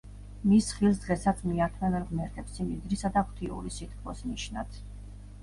მის ხილს დღესაც მიართმევენ ღმერთებს სიმდიდრისა და ღვთიური სიტკბოს ნიშნად.